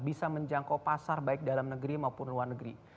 bisa menjangkau pasar baik dalam negeri maupun luar negeri